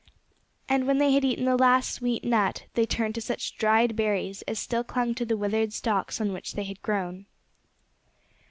And when they had eaten the last sweet nut they turned to such dried berries as still clung to the withered stocks on which they had grown.